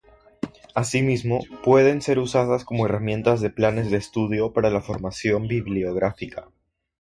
Asimismo, pueden ser usadas como herramientas de planes de estudio para la formación bibliográfica.